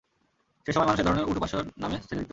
সে সময় মানুষ এ ধরনের উট উপাস্যের নামে ছেড়ে দিত।